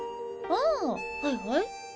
あはいはい。